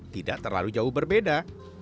tidak terlalu jauh berbeda